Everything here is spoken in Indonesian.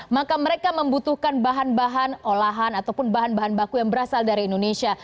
maka mereka membutuhkan bahan bahan olahan ataupun bahan bahan baku yang berasal dari indonesia